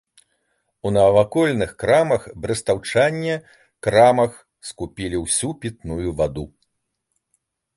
У навакольных крамах брэстаўчане крамах скупілі ўсю пітную ваду.